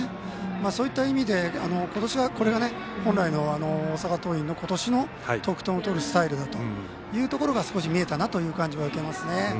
そういった意味で今年はこれが本来の大阪桐蔭の今年の得点を取るスタイルだというところが少し見えたなという感じも受けますね。